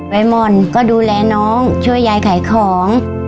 หม่อนก็ดูแลน้องช่วยยายขายของ